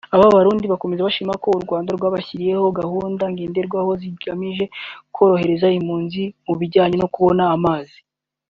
Aba Barundi bakomeza bashima ko u Rwanda rwabashyiriyeho gahunda ngenderwaho zigamije korohereza impunzi mu bijyanye no kubona akazi